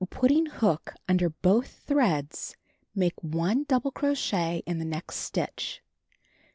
Putting hook under both threads, make 1 double crochet in the next stitch.